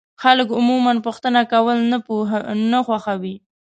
خلک عموما پوښتنه کول نه خوښوي.